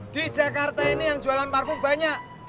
di jakarta ini yang jualan parfum banyak